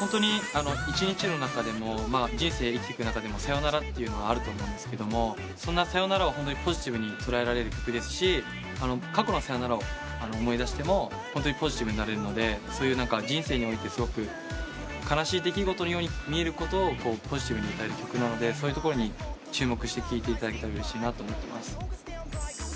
ホントに一日の中でも人生生きてく中でもさよならってあると思うんですがそんなさよならをポジティブに捉えられる曲ですし過去のさよならを思い出してもホントにポジティブになれるのでそういう人生においてすごく悲しい出来事に見えることをポジティブに歌える曲なのでそういうところに注目して聴いていただけたらうれしいなと思ってます。